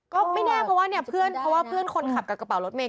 ก็ไม่แน่เพราะว่าเพื่อนคนขับกับกระเป๋ารถเมฆ